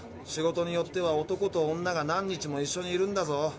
仕事によっては男と女が何日も一緒にいるんだぞ。